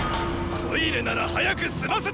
トイレなら早く済ませておけ！